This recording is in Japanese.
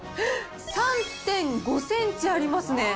３．５センチありますね。